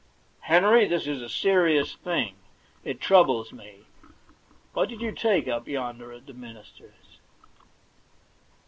' Henry, this is a . serious thing. It troubles me. What did you take up yonder at the minister's